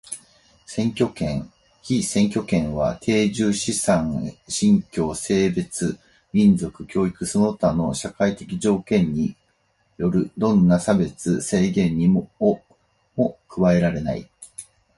選挙権、被選挙権は定住、資産、信教、性別、民族、教育その他の社会的条件によるどんな差別、制限をも加えられない。